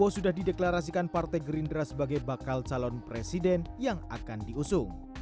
sudah dideklarasikan partai gerindra sebagai bakal calon presiden yang akan diusung